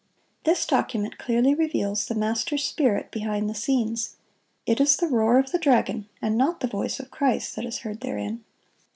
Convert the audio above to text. This document clearly reveals the master spirit behind the scenes. It is the roar of the dragon, and not the voice of Christ, that is heard therein.